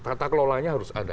tata kelolanya harus ada